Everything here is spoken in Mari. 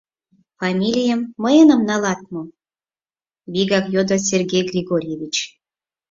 «Фамилийым мыйыным налат мо?» — вигак йодо Сергей Григорьевич.